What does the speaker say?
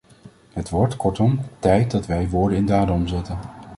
Het wordt, kortom, tijd dat wij woorden in daden omzetten.